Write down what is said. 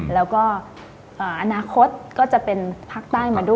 แล้วก็อนาคตก็จะเป็นภาคใต้มาด้วย